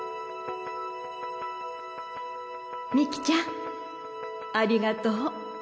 ミキちゃんありがとう。